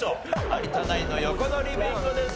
有田ナインの横取りビンゴです。